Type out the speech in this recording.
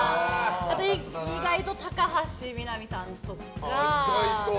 意外と高橋みなみさんとか。